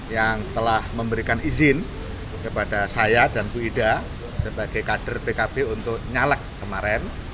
yang telah memberikan izin kepada saya dan bu ida sebagai kader pkb untuk nyalek kemarin